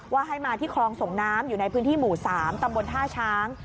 ให้มาที่คลองส่งน้ำอยู่ในพื้นที่หมู่๓ตำบลท่าช้าง